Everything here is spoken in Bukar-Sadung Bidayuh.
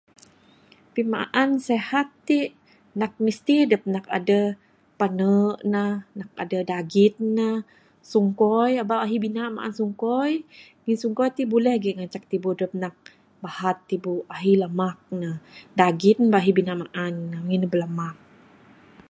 Pimaan sihat ti nak misti dep nak adeh pane neh, nak adeh daging neh, sungkoi aba ahi bina maan sungkoi, ngin sungkoi ti buleh lagi ngancak tibu dep nak bahat tibu, ahi lamak neh. Daging aba ahi bina maan neh, ngin neh bilamak.